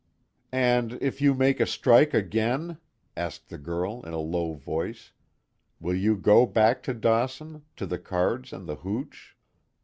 "And, if you make a strike again," asked the girl in a low voice, "Will you go back to Dawson to the cards and the hooch?"